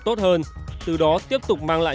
tốt hơn từ đó tiếp tục mang lại